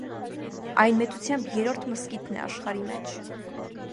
Այն մեծութեամբ երրորդ մզկիթն է աշխարհի մէջ։